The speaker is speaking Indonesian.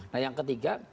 nah yang ketiga